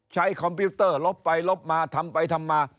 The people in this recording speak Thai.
คอมพิวเตอร์ลบไปลบมาทำไปทำมา